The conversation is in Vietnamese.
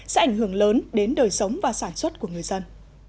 sẽ ảnh hưởng lớn đến đời sống và sản xuất của người dân